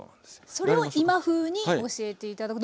それを今風に教えて頂くと。